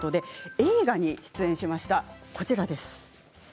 映画に出演しました。